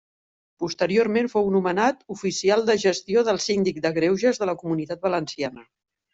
Posteriorment fou nomenat oficial de gestió del Síndic de Greuges de la Comunitat Valenciana.